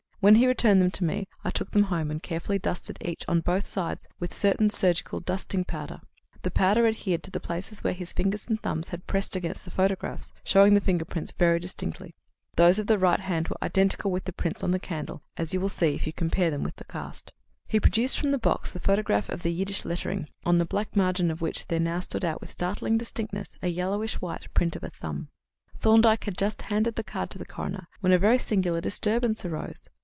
When he returned them to me, I took them home and carefully dusted each on both sides with a certain surgical dusting powder. The powder adhered to the places where his fingers and thumbs had pressed against the photographs, showing the fingerprints very distinctly. Those of the right hand were identical with the prints on the candle, as you will see if you compare them with the cast." He produced from the box the photograph of the Yiddish lettering, on the black margin of which there now stood out with startling distinctness a yellowish white print of a thumb. Thorndyke had just handed the card to the coroner when a very singular disturbance arose.